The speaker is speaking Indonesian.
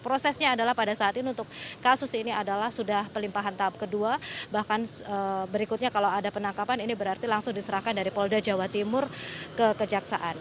prosesnya adalah pada saat ini untuk kasus ini adalah sudah pelimpahan tahap kedua bahkan berikutnya kalau ada penangkapan ini berarti langsung diserahkan dari polda jawa timur ke kejaksaan